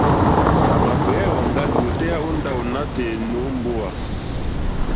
À mà gbèyá èwàŋgá lìwòtéyá ó ndáwò nǎtɛ̀ɛ̀ nǒ mbówà.